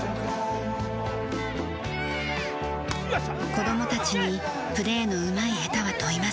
子供たちにプレーのうまい下手は問いません。